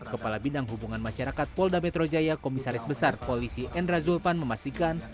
kepala bidang hubungan masyarakat polda metro jaya komisaris besar polisi endra zulpan memastikan